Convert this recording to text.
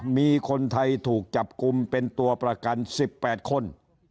มีคนไทยถูกจับกลุ่มเป็นตัวประกัน๑๘คน